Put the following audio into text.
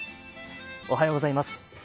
おはようございます。